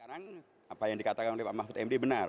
apa yang dikatakan oleh pak mahfud md benar